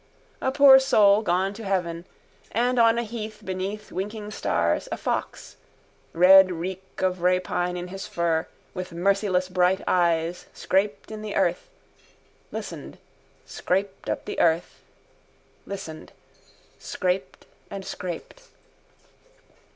A poor soul gone to heaven: and on a heath beneath winking stars a fox, red reek of rapine in his fur, with merciless bright eyes scraped in the earth, listened, scraped up the earth, listened, scraped and scraped.